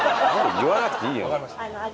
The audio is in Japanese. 言わなくていいよ。